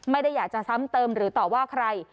ไม่ได้อยากจะซ้ำเติมหรือต่อว่าใคร